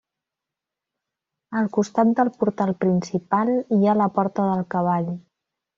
Al costat del portal principal hi ha la porta del cavall.